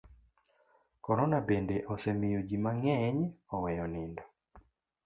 Korona bende osemiyo ji mang'eny oweyo nindo.